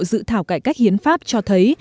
dự thảo cải cách hiến pháp cho thấy